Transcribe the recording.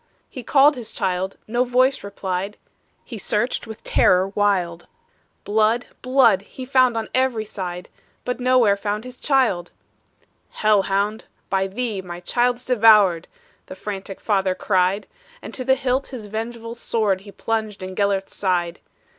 He called his child no voice replied; He searched with terror wild; Blood! blood! he found on every side, But nowhere found his child! "Hell hound! by thee my child's devoured!" The frantic father cried; And to the hilt his vengeful sword He plunged in Gelert's side.